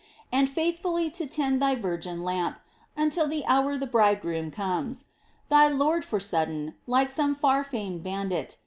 And faithfully to tend thy virgin lamp, Until the hour the Bridegroom comes, — thy Lord , For sudden, like some far famed bandit.